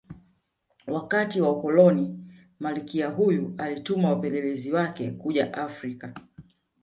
Wakati wa Ukoloni Malkia huyu alituma wapelelezi wake kuja Afrika